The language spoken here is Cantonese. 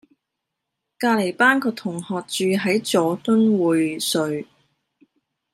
隔離班個同學住喺佐敦匯萃